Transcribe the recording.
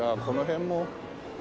この辺も。